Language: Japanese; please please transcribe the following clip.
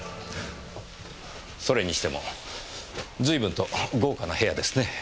それにしても随分と豪華な部屋ですね。